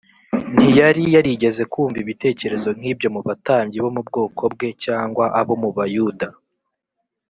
Ntiyari yarigeze yumva ibitekerezo nk’ibyo mu batambyi bo mu bwoko bwe cyangwa abo mu Bayuda.